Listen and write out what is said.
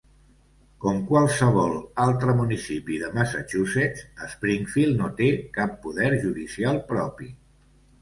Com qualsevol altre municipi de Massachusetts, Springfield no té cap poder judicial propi.